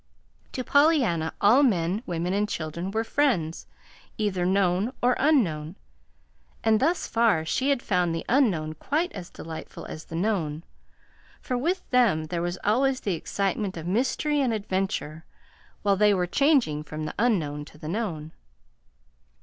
To Pollyanna all men, women, and children were friends, either known or unknown; and thus far she had found the unknown quite as delightful as the known, for with them there was always the excitement of mystery and adventure while they were changing from the unknown to the known.